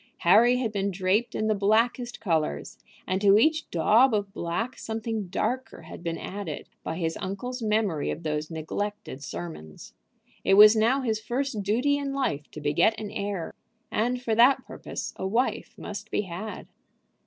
Harry had been draped in the blackest colors, and to each daub of black something darker had been added by his uncle's memory of those neglected sermons. It was now his first duty in life to beget an heir, and for that purpose a wife must be had.